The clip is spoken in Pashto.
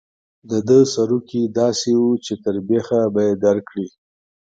د ده سروکي داسې وو چې تر بېخه به یې درکړي.